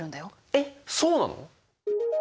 えっそうなの！？